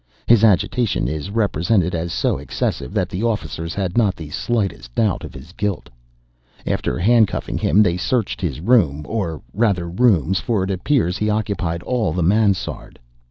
His agitation is represented as so excessive that the officers had not the slightest doubt of his guilt. After hand cuffing him, they searched his room, or rather rooms, for it appears he occupied all the mansarde.